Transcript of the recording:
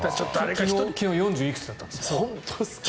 昨日４０いくつだったんですね。